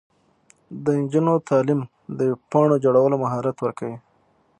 د نجونو تعلیم د ویب پاڼو جوړولو مهارت ورکوي.